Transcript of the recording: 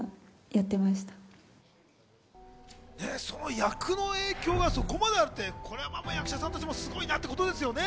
役の影響がそこまであるって役者さんとしてもすごいなっていうことですよね。